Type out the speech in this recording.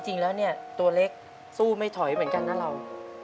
จริงแล้วเนี่ยตัวเล็กสู้ไม่ถอยเหมือนกันนะเรา